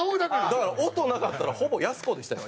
だから音なかったらほぼやす子でしたよ。